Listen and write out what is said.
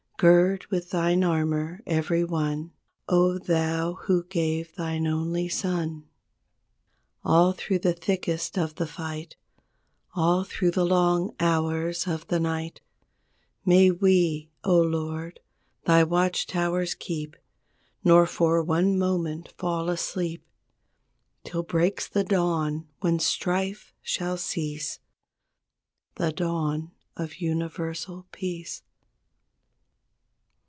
Gird with Thine armor, every one, 0, Thou who gave Thine only Son! 37 All through the thickest of the fight, All through the long hours of the night, May we, 0 Lord, Thy watchtowers keep. Nor for one moment fall asleep. Till breaks the dawn when strife shall cease— The dawn of universal peace.